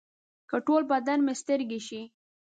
که ټول بدن مې سترګې شي.